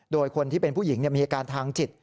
โดยคนที่เป็นผู้หญิงมีอาการทางจิต